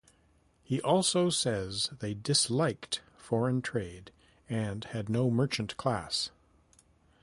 He also says they disliked foreign trade and had no merchant class.